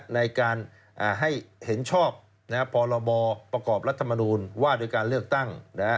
ในการให้เห็นชอบพรบประกอบรัฐมนูลว่าโดยการเลือกตั้ง